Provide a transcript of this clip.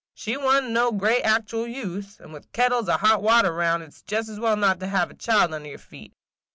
She wa' n't no gret actual use, – and with kettles o' hot water round, it 's jest as well not to have a child under yer feet.